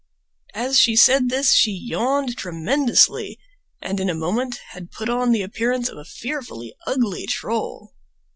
As she said this she yawned tremendously, and in a moment had put on the appearance of a fearfully ugly troll.